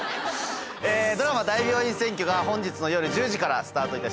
ドラマ『大病院占拠』が本日の夜１０時からスタートいたします。